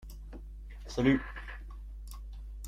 Salut !